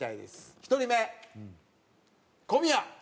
１人目小宮。